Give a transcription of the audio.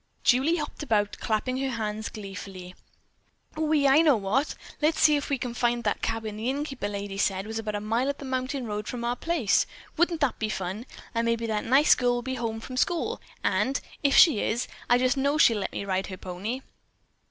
Julie hopped about, clapping her hands gleefully. "Ohee, I know what! Let's see if we can find that cabin the innkeeper lady said was about a mile up the mountain road from our place. Wouldn't that be fun? And maybe that nice girl will be at home from school, and, if she is, I just know she'll let me ride her pony."